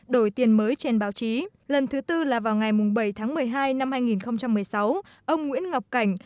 đổi tiền mới trên báo chí lần thứ tư là vào ngày bảy tháng một mươi hai năm hai nghìn một mươi sáu ông nguyễn ngọc cảnh